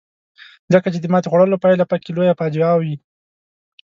ځکه چې د ماتې خوړلو پایله پکې لویه فاجعه وي.